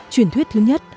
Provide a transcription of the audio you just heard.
truyền thuyết thứ nhất